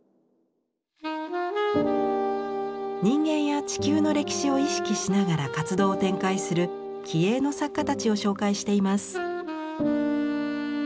人間や地球の歴史を意識しながら活動を展開する気鋭の作家たちを紹介しています。